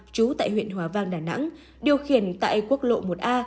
trú tại huyện hòa vang đà nẵng điều khiển tại quốc lộ một a